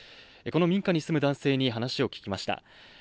この民家に住む男性に話を聞きました。